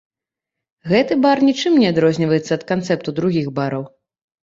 Гэты бар нічым не адрозніваецца ад канцэпту другіх бараў.